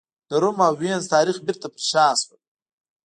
د روم او وینز تاریخ بېرته پر شا شول.